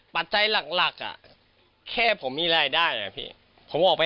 ปัจจัยหลักแค่ผมมีรายได้แหละพี่